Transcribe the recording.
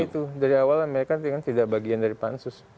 itu dari awal mereka tidak bagian dari pansus